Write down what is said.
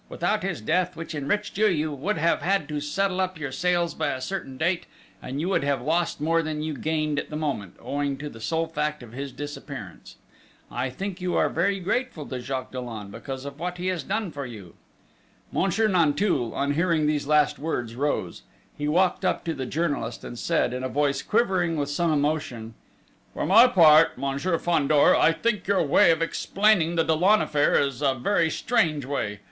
Without his death, which enriched you, you would have had to settle up your sales by a certain date, and you would have lost more than you gained at the moment, owing to the sole fact of his disappearance!... I think you are very grateful to Jacques Dollon because of what he has done for you." Monsieur Nanteuil, on hearing these last words, rose. He walked up to the journalist and said, in a voice quivering with some emotion: "For my part, Monsieur Fandor, I think your way of explaining the Dollon affair is a very strange way!...